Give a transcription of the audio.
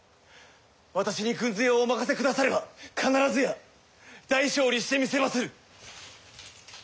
私に軍勢をお任せ下されば必ずや大勝利してみせまする！